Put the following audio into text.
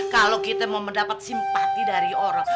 kalau kita mau mendapat simpati dari orang